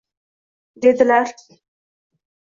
Dedilar: